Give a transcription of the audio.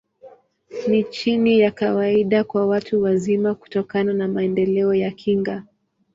Ni chini ya kawaida kwa watu wazima, kutokana na maendeleo ya kinga.